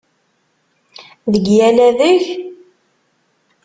Deg yal adeg?